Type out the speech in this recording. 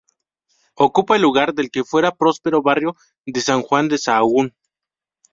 Ocupa el lugar del que fuera próspero barrio de San Juan de Sahagún.